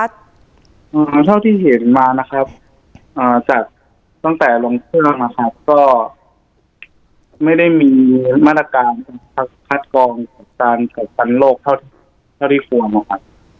เท่าที่เห็นมานะครับตั้งแต่ลงเครื่องก็ไม่ได้มีมาตรการคัดกรองตันสันโรคเท่าที่ควร